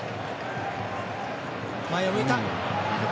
前を向いた。